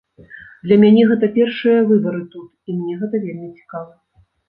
Для мяне гэта першыя выбары тут, і мне гэта вельмі цікава.